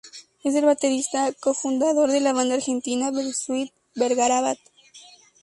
Es el baterista y co-fundador de la banda argentina Bersuit Vergarabat.